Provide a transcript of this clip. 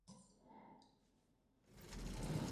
Son cinco miembros elegidos cada cuatro años.